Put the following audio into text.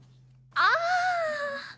ああ！